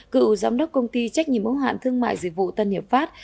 cựu giám đốc công ty trách nhiệm ủng hạn thương mại dịch vụ tân hiệp pháp